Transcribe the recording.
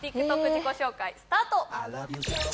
自己紹介スタート！